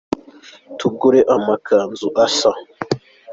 Tugure amakanzu asa.